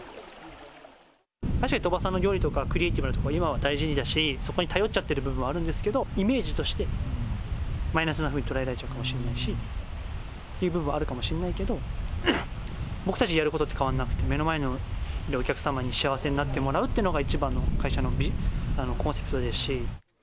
確かに鳥羽さんの料理とか、クリエーティブなところは今は大事だし、そこに頼っちゃってる部分はあるんですけど、イメージとして、マイナスなふうに捉えられちゃうかもしれないしという部分はあるかもしれないけど、僕たちやることって変わらなくて、目の前のお客様に幸せになってもらうっていうのが、一番の会社のコンセプトですし。